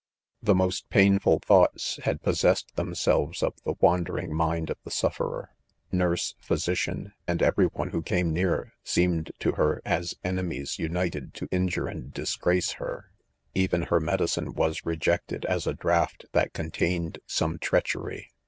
"The most painful thoughts had possessed themselves of the wandering mind of the suf ferer. Nurse, physician, and every one who came near, seemed to her,, as enemies united to injure anddisgrace her; even her medieine was rejected as a draught that contained some treachery.